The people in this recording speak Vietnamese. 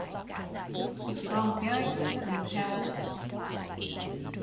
Cũng còn chơi, chưa biết sợ